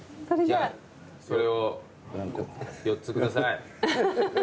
それを４つ下さい。